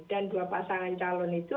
dan dua pasangan calon itu